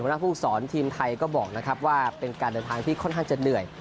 หน้าผู้สอนทีมไทยก็บอกนะครับว่าเป็นการเดินทางที่ค่อนข้างจะเหนื่อย